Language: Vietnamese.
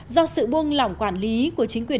do sự buông lỏng quản lý của chính quyền